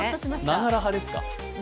ながら派ですか？